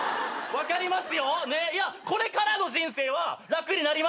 分かります。